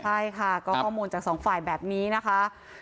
ใช่ค่ะก็ข้อมูลจากสองฝ่ายแบบนี้นะคะ